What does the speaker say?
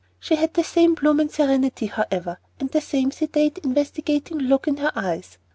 She had the same bloom and serenity, however, and the same sedate, investigating look in her eyes.